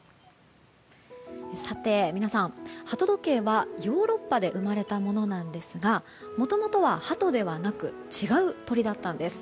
さて皆さん、鳩時計はヨーロッパで生まれたものなんですがもともとはハトではなく違う鳥だったんです。